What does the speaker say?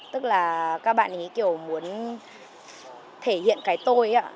tức là các bạn ý kiểu muốn thể hiện cái tôi ấy ạ